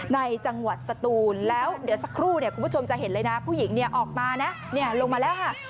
ในจังหวัดสตูนแล้วเดี๋ยวสักครู่เนี่ยคุณผู้ชมจะเห็นเลยนะผู้หญิงเนี่ยออกมานะลงมาแล้วค่ะ